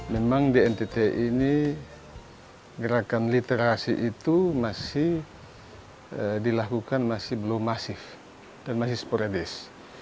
memang di ntt ini gerakan literasi itu masih dilakukan masih belum masif dan masih sporadis